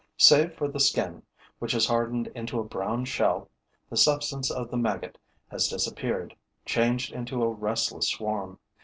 Save for the skin, which has hardened into a brown shell, the substance of the maggot has disappeared, changed into a restless swarm.